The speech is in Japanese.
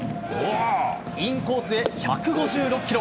インコースへ１５６キロ！